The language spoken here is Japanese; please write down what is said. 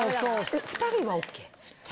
２人はＯＫ？